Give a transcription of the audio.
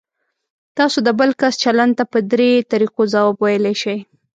تاسو د بل کس چلند ته په درې طریقو ځواب ویلی شئ.